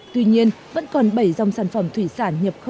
tuy nhiên vẫn còn bảy dòng sản phẩm thủy sản nhập khẩu